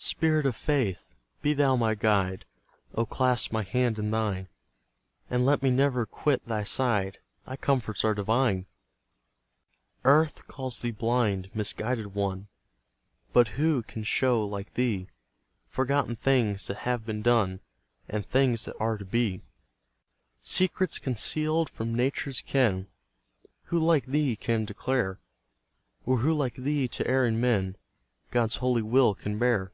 Spirit of Faith! be thou my guide, O clasp my hand in thine, And let me never quit thy side; Thy comforts are divine! Earth calls thee blind, misguided one, But who can shew like thee Forgotten things that have been done, And things that are to be? Secrets conceal'd from Nature's ken, Who like thee can declare? Or who like thee to erring men God's holy will can bear?